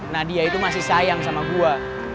nadia itu masih sayang sama gue